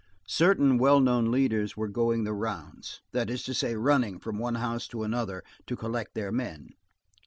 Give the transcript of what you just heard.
Certain well known leaders were going the rounds, that is to say, running from one house to another, to collect their men.